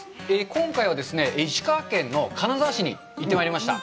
今回は石川県の金沢市に行ってまいりました。